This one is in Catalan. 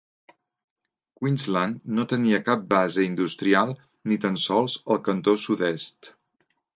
Queensland no tenia cap base industrial, ni tan sols al cantósud-est.